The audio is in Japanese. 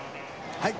はい。